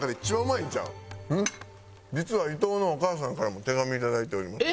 実は伊藤のお母さんからも手紙いただいております。